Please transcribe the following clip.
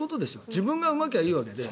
自分がうまきゃいいわけです。